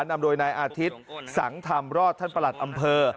นำโดยนายอาทิตย์สังธรรมรอดท่านประหลัดอำเภอ